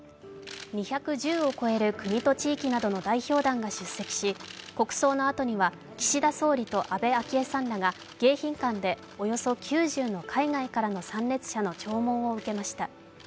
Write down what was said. ２１０を超える国と地域などの代表団が出席し国葬のあとには岸田総理と安倍昭恵さんらが迎賓館でおよそ９０の海外からの参列者の弔問を受けました。